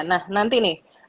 nah nanti nih